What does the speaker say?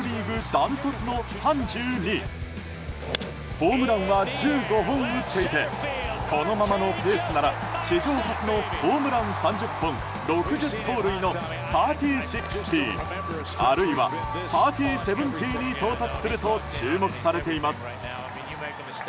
ダントツの３２ホームランは１５本打っていてこのままのペースなら史上初のホームラン３０本６０盗塁の３０‐６０あるいは３０‐７０に到達すると注目されています。